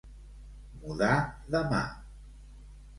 Mudar de mà.